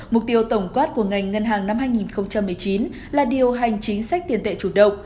mục tiêu tổng quát của ngành ngân hàng năm hai nghìn một mươi chín là điều hành chính sách tiền tệ chủ động